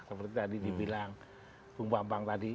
seperti tadi dibilang bung bambang tadi